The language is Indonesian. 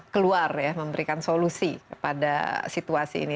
keluar ya memberikan solusi kepada situasi ini